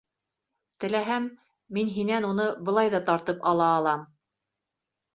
Теләһәм, мин һинән уны былай ҙа тартып ала алам!